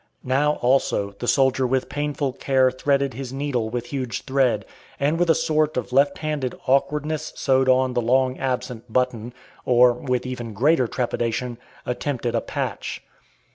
Now, also, the soldier with painful care threaded his needle with huge thread, and with a sort of left handed awkwardness sewed on the long absent button, or, with even greater trepidation, attempted a patch.